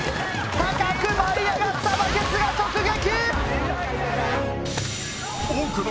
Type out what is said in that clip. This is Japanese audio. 高く舞い上がったバケツが直撃！